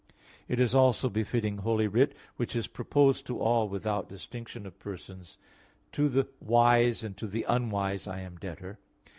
It is also befitting Holy Writ, which is proposed to all without distinction of persons "To the wise and to the unwise I am a debtor" (Rom.